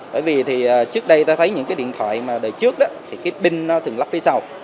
bởi vì trước đây ta thấy những cái điện thoại mà đời trước đó thì cái pin nó thường lắp phía sau